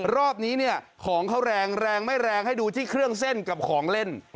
รอบนี้เนี่ยของเขาแรงแรงไม่แรงให้ดูที่เครื่องเส้นกับของเล่น